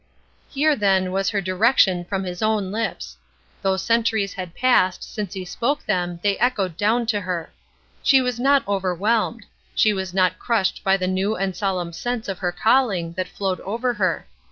Here, then, was her direction from His own lips. Though centuries had passed since He spoke them they echoed down to her. She was not overwhelmed; she was not crushed by the new and solemn sense of her calling that flowed over her.